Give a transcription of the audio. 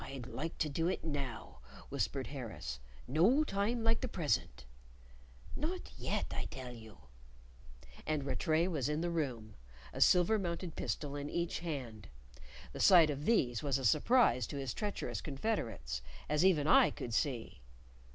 "I'd like to do it now," whispered Harris; "no time like the present." "Not yet, I tell you!" And Rattray was in the room, a silver mounted pistol in each hand; the sight of these was a surprise to his treacherous confederates, as even I could see.